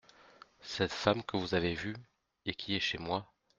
Cette femme que vous avez vue … Et qui est chez moi.